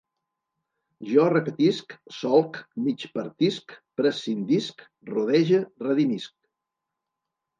Jo repetisc, solc, migpartisc, prescindisc, rodege, redimisc